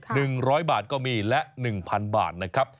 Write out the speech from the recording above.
หนึ่งร้อยบาทก็มีและหนึ่งพันบาทนะครับ